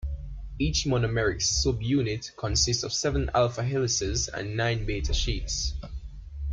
Each monomeric subunit consists of seven alpha helices and nine beta-sheets.